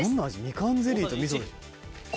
みかんゼリーと味噌で。